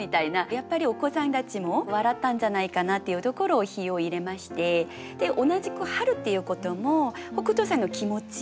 やっぱりお子さんたちも笑ったんじゃないかなっていうところを比喩を入れまして同じく「春」っていうことも北斗さんの気持ち？